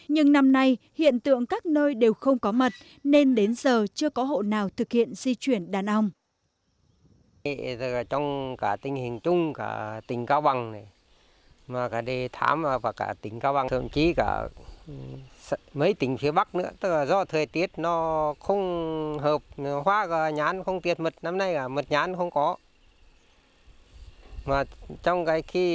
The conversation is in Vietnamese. nhưng năm nay hiện tượng các nơi đều không có mật nên đến giờ chưa có hộ nào thực hiện di chuyển đàn ong